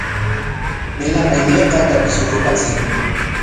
Ninaqam imaykatapis rupachin.